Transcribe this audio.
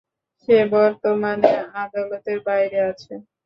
সে বর্তমানে আদালতের বাইরে আছে।